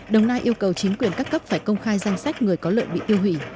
đồng nai yêu cầu chính quyền các cấp phải công khai danh sách người có lợn bị tiêu hủy